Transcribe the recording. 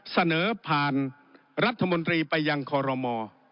เสนอผ่านรัฐมนตรีไปยังคอรมอ